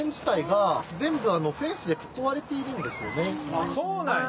あっそうなんや。